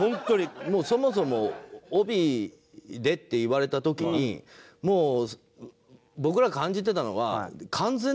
そもそも「帯で」って言われた時にもう僕ら感じてたのは。